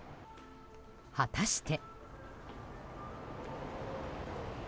果たして。